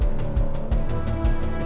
darah jaket yang dia pakai